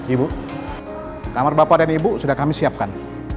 ibu kamar bapak dan ibu sudah kami siapkan